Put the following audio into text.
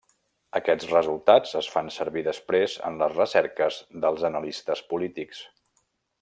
Aquests resultats es fan servir després en les recerques dels analistes polítics.